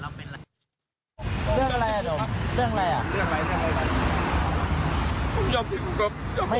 เรื่องอะไรอ่ะดมเรื่องอะไรอ่ะผมยอมติดคุกครับยอมติดคุกเลยครับ